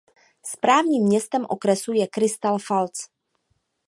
Správním městem okresu je Crystal Falls.